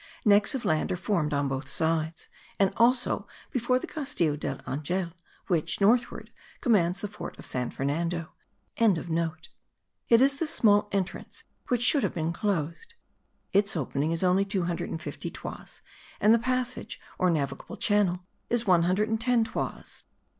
Necks of land are formed on both sides, and also before the Castillo del Angel which, northward, commands the fort of San Fernando.) It is this small entrance which should have been closed; its opening is only 250 toises, and the passage or navigable channel is 110 toises.